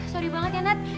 sorry banget ya nat